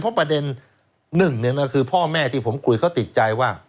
เพราะประเด็นหนึ่งก็คือพ่อแม่ที่ผมคุยเขาติดใจว่า